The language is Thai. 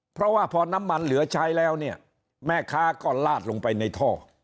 เพราะว่าพอน้ำมันเหลือใช้แล้วเนี่ยแม่ค้าก็ลาดลงไปในท่อ